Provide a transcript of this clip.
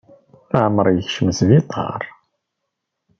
Leεmeṛ yekcem sbiṭar.